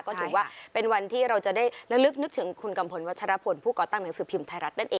ก็ถือว่าเป็นวันที่เราจะได้ระลึกนึกถึงคุณกัมพลวัชรพลผู้ก่อตั้งหนังสือพิมพ์ไทยรัฐนั่นเอง